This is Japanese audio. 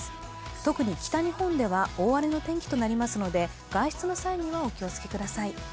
特に北日本では大荒れの天気となりますので外出の際にはお気をつけください。